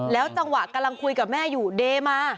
จังหวะกำลังคุยกับแม่อยู่เดมา